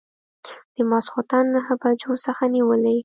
د ماخوستن نهه بجو څخه نیولې.